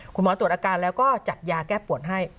ตรวจอาการแล้วก็จัดยาแก้ปวดให้